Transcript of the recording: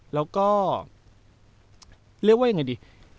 แล้วก็เรียกว่ายังไงดี